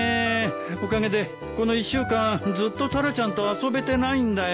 おかげでこの１週間ずっとタラちゃんと遊べてないんだよ。